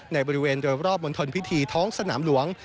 ในบริเวณรอบมนตรพิธีท้องสนามหลวง